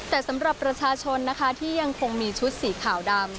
แต่สำหรับประชาชนนะคะที่ยังคงมีชุดสีขาวดำ